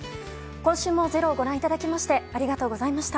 今週も「ｚｅｒｏ」をご覧いただきましてありがとうございました。